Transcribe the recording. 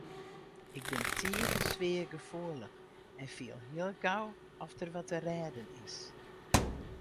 Ik bin tige sfeargefoelich en fiel hiel gau oft der wat te rêden is.